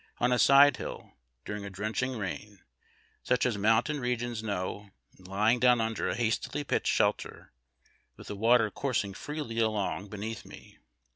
on a side hill during a drenching rain, such as mountain regions know, and lying down under a hastily pitched shelter, with the water coursing freely along beneath me.